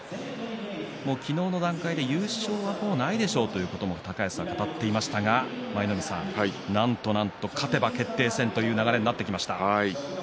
昨日の段階で優勝はないでしょうということを高安は語っていましたがなんとなんと勝てば決定戦という流れです。